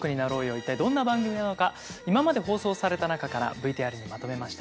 一体どんな番組なのか今まで放送された中からＶＴＲにまとめました。